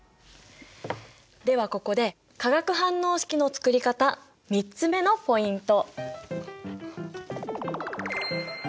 ではここで化学反応式のつくり方３つ目のポイント。